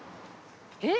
えっ？